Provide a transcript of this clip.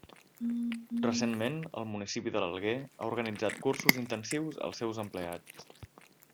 Recentment, el municipi de l'Alguer ha organitzat cursos intensius als seus empleats.